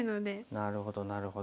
なるほどなるほど。